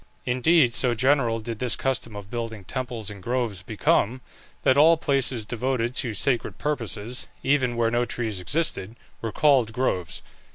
Indeed so general did this custom of building temples in groves become, that all places devoted to sacred purposes, even where no trees existed, were called groves.